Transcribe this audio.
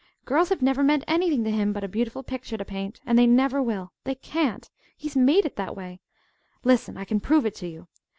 Girls have never meant anything to him but a beautiful picture to paint. And they never will. They can't. He's made that way. Listen! I can prove it to you.